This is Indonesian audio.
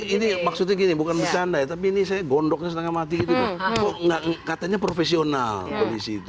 ini maksudnya gini bukan bercanda ya tapi ini saya gondoknya setengah mati gitu kok katanya profesional polisi itu